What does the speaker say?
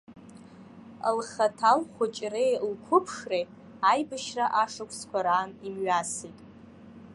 Лхаҭа лхәыҷреи лқәыԥшреи аибашьра ашықәсқәа раан имҩасит.